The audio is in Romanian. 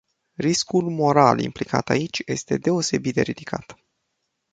Riscul moral implicat aici este deosebit de ridicat.